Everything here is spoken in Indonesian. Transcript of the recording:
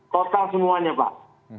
total semuanya pak